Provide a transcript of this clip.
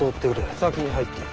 先に入っていろ。